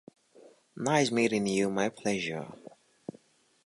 Driscoll is named for the American stained glass artist Clara Driscoll.